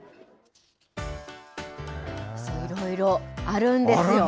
いろいろ、あるんですよ。